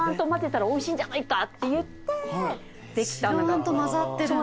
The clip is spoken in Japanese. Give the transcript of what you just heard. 白あんと混ざってるんだ。